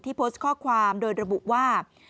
โพสต์ข้อความโดยระบุว่า